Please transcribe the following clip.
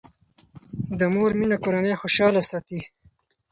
د مور مینه کورنۍ خوشاله ساتي.